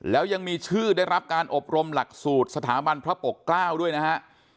แล้วยังมีชื่อได้รับการอบรมหลักสูตรสถาบันพระปกเกล้าด้วยนะฮะ